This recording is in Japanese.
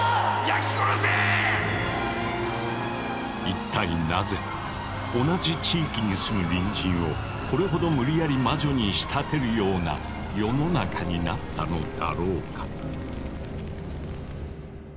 一体なぜ同じ地域に住む隣人をこれほど無理やり魔女に仕立てるような世の中になったのだろうか。